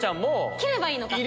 切ればいいのか。